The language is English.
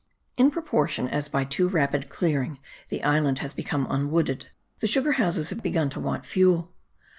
In proportion as by too rapid clearing the island has become unwooded, the sugar houses have begun to want fuel.